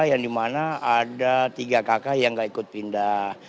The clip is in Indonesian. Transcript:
yang dimana ada tiga kakak yang gak ikut pindah